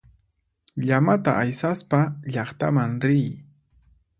Llamata aysaspa llaqtaman riy.